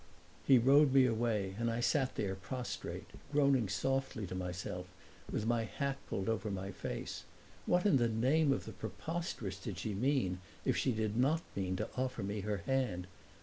He rowed me away and I sat there prostrate, groaning softly to myself, with my hat pulled over my face. What in the name of the preposterous did she mean if she did not mean to offer me her hand?